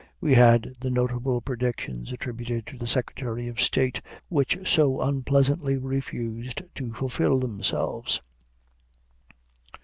We had the notable predictions attributed to the Secretary of State, which so unpleasantly refused to fulfill themselves.